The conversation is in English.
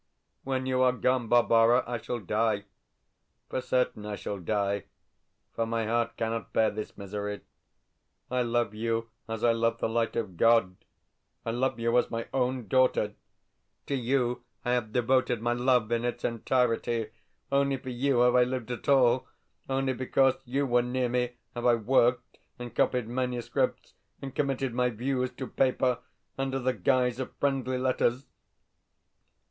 When you are gone, Barbara, I shall die for certain I shall die, for my heart cannot bear this misery. I love you as I love the light of God; I love you as my own daughter; to you I have devoted my love in its entirety; only for you have I lived at all; only because you were near me have I worked and copied manuscripts and committed my views to paper under the guise of friendly letters.